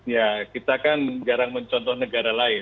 ya kita kan jarang mencontoh negara lain